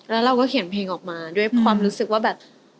แล้วเราก็เขียนเพลงออกมาด้วยความรู้สึกว่าแบบ